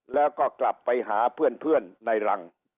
แล้วก็กลับไปหาเพื่อนในรัง